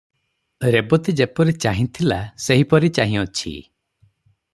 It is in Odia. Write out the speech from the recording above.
ରେବତୀ ଯେପରି ଚାହିଁଥିଲା, ସେହିପରି ଚାହିଁଅଛି ।